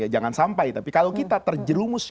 jangan sampai tapi kalau kita terjerumus